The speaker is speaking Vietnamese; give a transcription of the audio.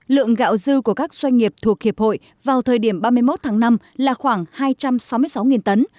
lượng gạo dư của các doanh nghiệp thuộc hiệp hội vào thời điểm ba mươi một tháng năm là khoảng hai trăm sáu mươi sáu tấn